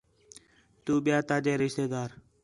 تُو ٻِیا تاجے رشتہ دار